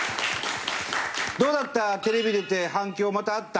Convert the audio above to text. どうだった？